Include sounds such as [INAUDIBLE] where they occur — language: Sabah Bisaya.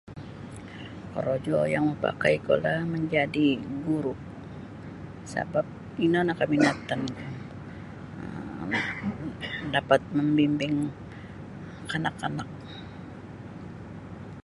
Korojo yang mapakai ku lah manjadi guru sabab ini nio [NOISE] kaminatanku um dapat mabimmbing kanak-kanak.